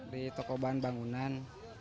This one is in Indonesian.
di toko bahan bangunan